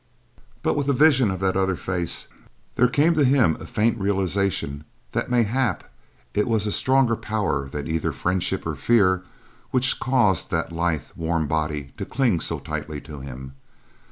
But with the vision of that other face, there came to him a faint realization that mayhap it was a stronger power than either friendship or fear which caused that lithe, warm body to cling so tightly to him.